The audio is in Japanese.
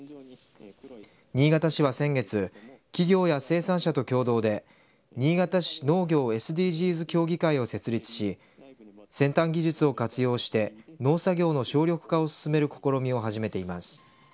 新潟市は先月企業や生産者と共同で新潟市農業ＳＤＧｓ協議会を設立し先端技術を活用して農作業の省力化を進める試みが始めています。